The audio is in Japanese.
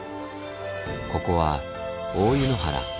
ここは大斎原。